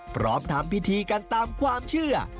พร้อมทำพิธีกันตามความเชื่อ